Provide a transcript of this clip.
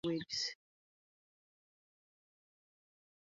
His funeral was held in Penshurst, New South Wales.